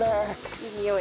いいにおい。